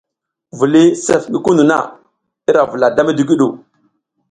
Viliy sef ngi kunu na, ira vula da midigwu ɗu.